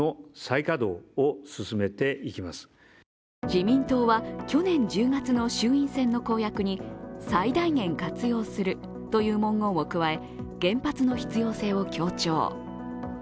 自民党は去年１０月の衆院選の公約に最大限活用するという文言を加え原発の必要性を強調。